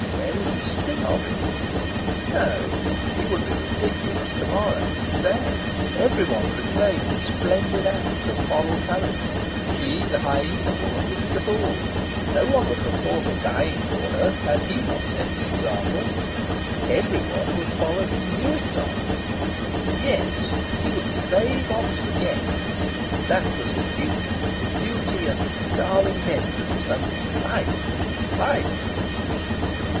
Where was the sting of it? Not he would be ridiculous to morrow to day. Every one would acclaim his splendid act of moral courage. She, she, the hyena woman, would be the fool. No one would have thought of dying for her, had he not set the example. Every one would follow his new example. Yes, he would save Oxford yet. That was his duty. Duty and darling vengeance! And life life!